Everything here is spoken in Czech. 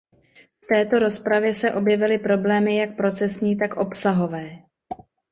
V této rozpravě se objevily problémy jak procesní, tak obsahové.